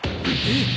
えっ？